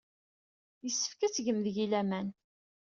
Yessefk ad tgem deg-i laman.